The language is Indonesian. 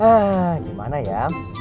hah gimana ya